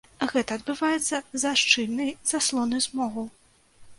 Гэта адбываецца з-за шчыльнай заслоны смогу.